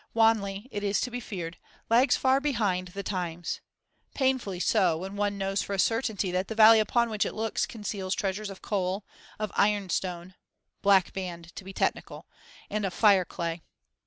Wanley, it is to be feared, lags far behind the times painfully so, when one knows for a certainty that the valley upon which it looks conceals treasures of coal, of ironstone blackband, to be technical and of fireclay.